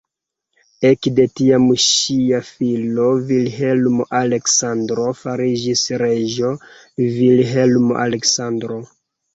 Ekde tiam ŝia filo Vilhelmo-Aleksandro fariĝis reĝo Vilhelmo-Aleksandro.